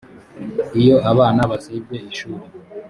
iyo abana basibye ishuri